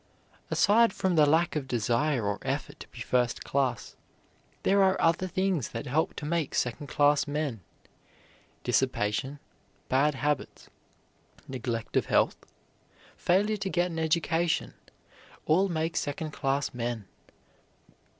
Aside from the lack of desire or effort to be first class, there are other things that help to make second class men. Dissipation, bad habits, neglect of health, failure to get an education, all make second class men.